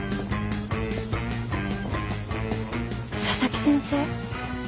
佐々木先生？